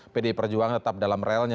pdi perjuangan tetap dalam relnya